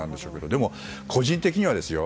でも、個人的にはですよ